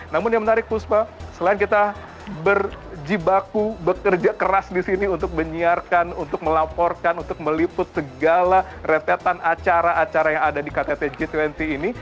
namun yang menarik puspa selain kita berjibaku bekerja keras di sini untuk menyiarkan untuk melaporkan untuk meliput segala rentetan acara acara yang ada di ktt g dua puluh ini